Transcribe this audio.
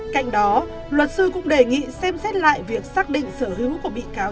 cạnh đó luật sư cũng đề nghị xem xét lại việc xác định sở hữu của bị cáo